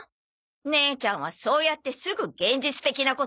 姉ちゃんはそうやってすぐ現実的なこと言うんだから。